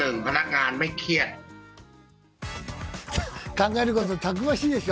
考えることたくましいでしょ。